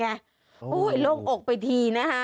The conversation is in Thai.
โอ้ยลงอกไปทีนะฮะ